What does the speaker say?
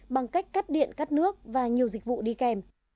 bằng cách cắt điện cắt nước và nhiều dịch vụ đi kèm